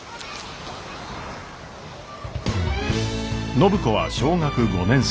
暢子は小学５年生。